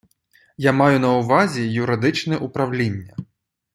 Я маю на увазі юридичне управління.